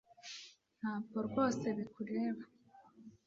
Ntabwo rwose bikureba